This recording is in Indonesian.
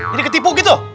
jadi ketipu gitu